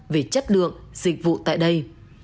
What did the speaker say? về chất lượng dịch vụ tại đây